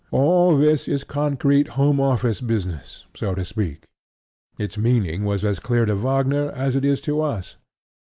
All this is concrete Home Office business, so to speak: its meaning was as clear to Wagner as it is to us.